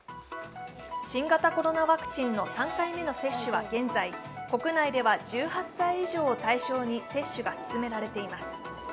新型コロナウイルスワクチンの３回目の接種は現在国内では１８歳以上を対象に接種が進められています。